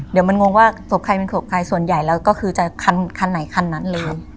เดี๋ยวมันงงว่าศพใครเป็นศพใครส่วนใหญ่แล้วก็คือจะคันไหนคันนั้นเลย